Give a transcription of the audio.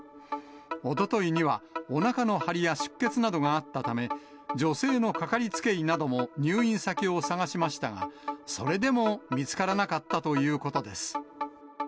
おとといには、おなかの張りや出血などがあったため、女性の掛かりつけ医なども入院先を探しましたが、それでも見つからなかったということです。